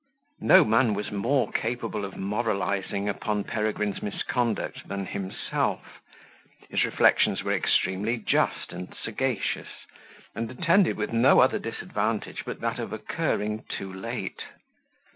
No man was more capable of moralizing upon Peregrine's misconduct than himself: his reflections were extremely just and sagacious, and attended with no other disadvantage but that of occurring too late.